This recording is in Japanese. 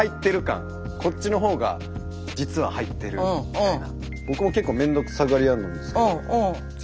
こっちの方が実は入ってるみたいな。